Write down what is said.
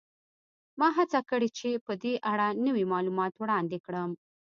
ما هڅه کړې چې په دې اړه نوي معلومات وړاندې کړم